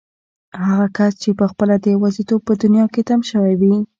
هغه کس چې پخپله د يوازيتوب په دنيا کې تم شوی وي.